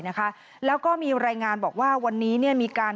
นะคะแล้วก็มีรายงานบอกว่าวันนี้เนี่ยมีการ